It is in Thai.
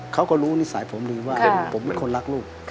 เขาก็รู้นิสัยผมดีว่าผมเป็นคนรักลูก